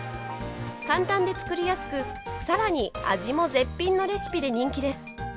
簡単で作りやすく、さらに味も絶品のレシピで人気です。